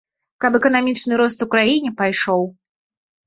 Каб эканамічны рост у краіне пайшоў.